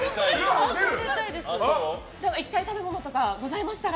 いきたい食べ物とかございましたら。